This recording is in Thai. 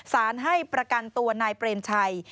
สารให้ประกันตัวนายเปรมชัย